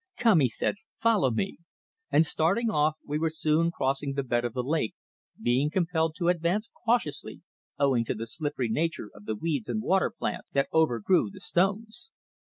"Come," he said. "Follow me," and starting off we were soon crossing the bed of the lake, being compelled to advance cautiously owing to the slippery nature of the weeds and water plants that overgrew the stones.